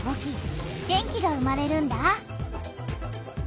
電気が生まれるんだ。